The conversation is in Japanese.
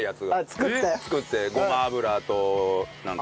作ってごま油となんか。